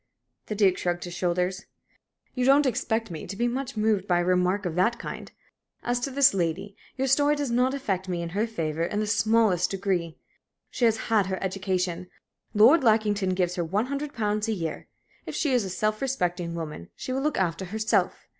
The Duke shrugged his shoulders. "You don't expect me to be much moved by a remark of that kind? As to this lady, your story does not affect me in her favor in the smallest degree. She has had her education; Lord Lackington gives her one hundred pounds a year; if she is a self respecting woman she will look after herself.